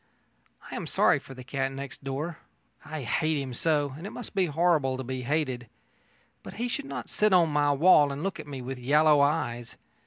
I am sorry for the cat next door. I hate him so, and it must be horrible to be hated. But he should not sit on my wall and look at me with yellow eyes.